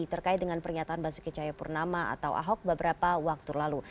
terkait dengan pernyataan basuki cahayapurnama atau ahok beberapa waktu lalu